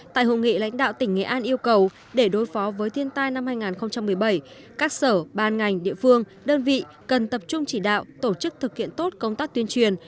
tại hội nghị lãnh đạo tỉnh nghệ an yêu cầu để đối phó với thiên tai năm hai nghìn một mươi bảy các sở ban ngành địa phương đơn vị cần tập trung chỉ đạo tổ chức thực hiện tốt công tác tuyên truyền